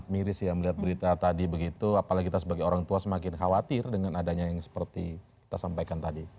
miris ya melihat berita tadi begitu apalagi kita sebagai orang tua semakin khawatir dengan adanya yang seperti kita sampaikan tadi